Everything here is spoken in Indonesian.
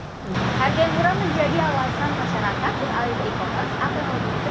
harga yang murah menjadi alasan masyarakat di alih alih kota atau lebih kenal dengan nama panggung